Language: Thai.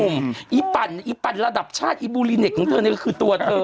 อีปั่นอีปั่นระดับชาติอีบูลีเน็ตของเธอนี่ก็คือตัวเธอ